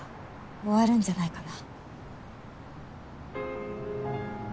終わるんじゃないかな。